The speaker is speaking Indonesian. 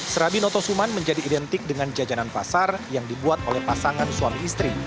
serabi noto suman menjadi identik dengan jajanan pasar yang dibuat oleh pasangan suami istri